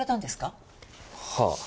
はあ。